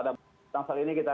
ada tangsel ini kita